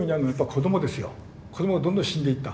子どもがどんどん死んでいった。